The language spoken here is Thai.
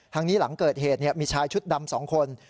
ทางนี้หลังเกิดเหตุเนี่ยมีชายชุดดำสองคน